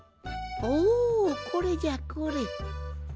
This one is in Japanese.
おこれじゃこれ。